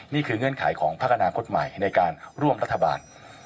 เงื่อนไขของพักอนาคตใหม่ในการร่วมรัฐบาล